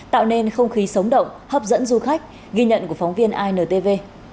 tạo nên không khí sống động hấp dẫn du khách ghi nhận của phóng viên intv